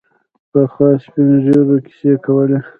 پخوا سپین ږیرو کیسې کولې.